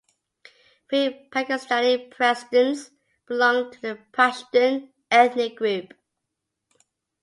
Three Pakistani presidents belonged to the Pashtun ethnic group.